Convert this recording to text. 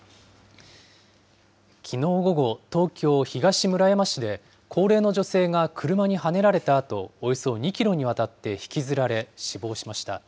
きのう午後、東京・東村山市で、高齢の女性が車にはねられたあと、およそ２キロにわたって引きずられ死亡しました。